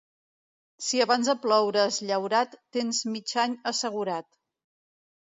Si abans de ploure has llaurat, tens mig any assegurat.